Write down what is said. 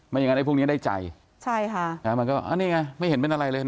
อย่างนั้นไอพวกนี้ได้ใจใช่ค่ะมันก็อันนี้ไงไม่เห็นเป็นอะไรเลยนะ